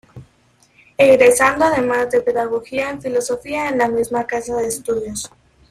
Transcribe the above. Egresando además de Pedagogía en Filosofía en la misma casa de estudios.